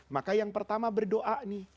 maka yang pertama berdoa nih